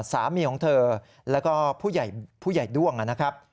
สามีของเธอแล้วก็ผู้ใหญ่ด้วงนะครับ